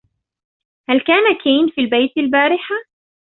هل كان كين في البيت البارحة؟